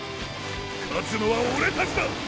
勝つのはオレたちだ！